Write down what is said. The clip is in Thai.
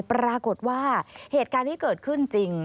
ปรากฏว่าเหตุการณ์ที่เกิดขึ้นจริง